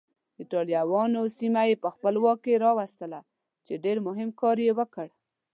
ایټالویانو سیمه یې په خپل واک کې راوستله چې ډېر مهم کار یې وکړ.